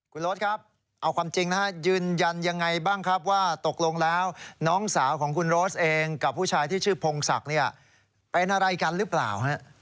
คุณโรธครับเอาความจริงนะฮะยืนยันยังไงบ้างครับว่าตกลงแล้วน้องสาวของคุณโรสเองกับผู้ชายที่ชื่อพงศักดิ์เนี่ยเป็นอะไรกันหรือเปล่า